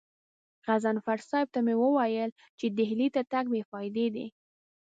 غضنفر صاحب ته مې وويل چې ډهلي ته تګ بې فايدې دی.